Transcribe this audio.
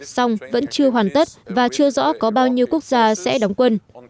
song vẫn chưa hoàn tất và chưa rõ có bao nhiêu quốc gia sẽ đóng quân